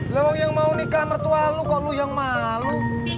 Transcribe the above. long yang mau nikah mertua lo kok lu yang malu